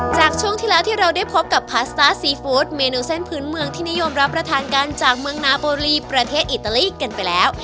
จากช่วงที่แล้วที่เราได้พบกับพาสต้าซีฟู้ดเมนูเส้นพื้นเมืองที่นิยมรับประทานกันจากเมืองนาโบรีประเทศอิตาลีกันไปแล้ว